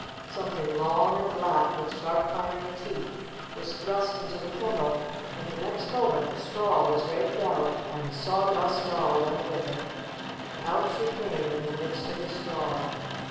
Something long and black, with sharp iron teeth, was thrust into the kennel, and the next moment the straw was raked out, 72 STORY OF A SAWDUST DOLL and the Sawdust Doll went with it. Out she came in the midst of the straw.